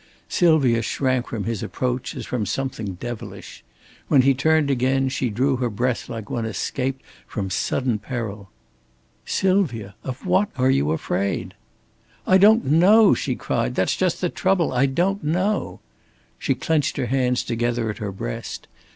Sylvia shrank from his approach as from something devilish. When he turned again, she drew her breath like one escaped from sudden peril. "Sylvia! Of what are you afraid?" "I don't know!" she cried. "That's just the trouble. I don't know!" She clenched her hands together at her breast.